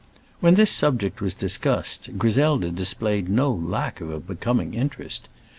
When this subject was discussed Griselda displayed no lack of a becoming interest.